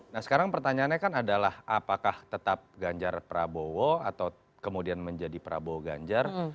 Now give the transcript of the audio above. nah sekarang pertanyaannya kan adalah apakah tetap ganjar prabowo atau kemudian menjadi prabowo ganjar